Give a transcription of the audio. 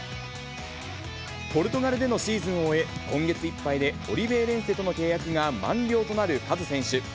ポルトガルでのシーズンを終え、今月いっぱいでオリベイレンセとの契約が満了となるカズ選手。